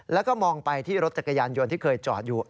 แล้วก็มองไปที่รถจักรยานยนต์ที่เคยจอดอยู่